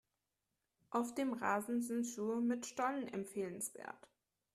Auf dem Rasen sind Schuhe mit Stollen empfehlenswert.